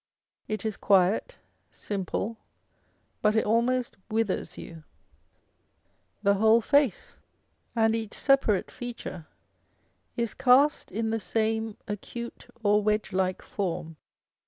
It is quiet, simple, but it almost withers you. The whole face On a Portrait Inj Vandyke. 403 and each separate feature is cast in the same acute or wedge like form.